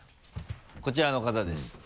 こちらの方です。